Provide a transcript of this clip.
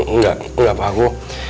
enggak enggak pak aku